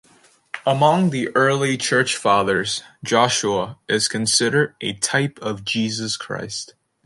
Among the early Church Fathers, Joshua is considered a type of Jesus Christ.